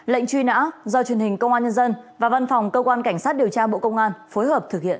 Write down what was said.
lệnh truy nã do truyền hình công an nhân dân và văn phòng cơ quan cảnh sát điều tra bộ công an phối hợp thực hiện